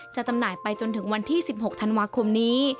จำหน่ายไปจนถึงวันที่๑๖ธันวาคมนี้